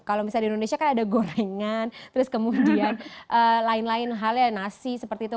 kalau misalnya di indonesia kan ada gorengan terus kemudian lain lain halnya nasi seperti itu